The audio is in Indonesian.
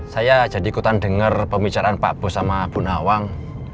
saya jadi ikutan dengar pembicaraan pak bos sama bu nawang